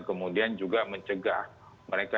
kemudian juga mencegah mereka